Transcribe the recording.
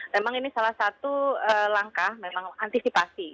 memang ini salah satu langkah memang antisipasi